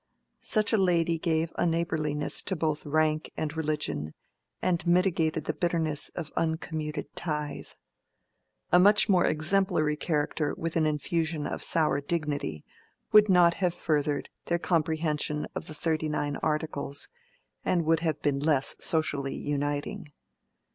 Such a lady gave a neighborliness to both rank and religion, and mitigated the bitterness of uncommuted tithe. A much more exemplary character with an infusion of sour dignity would not have furthered their comprehension of the Thirty nine Articles, and would have been less socially uniting.